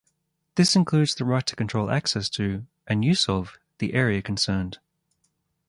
This includes the right to control access to, and use of, the area concerned.